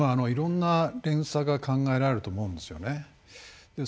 いろんな連鎖が考えられると思うんですよね。